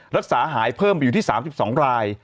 รักษาหายเพิ่มไปอยู่ที่๓๒ราย